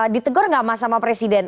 ditegur nggak mas sama presiden